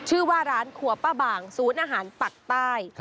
ชื่อว่าร้านขัวป้าบ่างซูซอาหารปลักใต้